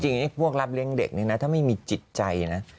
จริงในพวกรับเลี่ยงเด็กนี้นะถ้าไม่มีจิตใจ